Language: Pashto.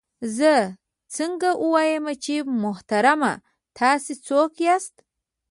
زه څنګه ووایم چې محترمه تاسې څوک یاست؟